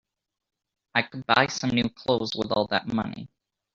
I could buy some new clothes with all that money.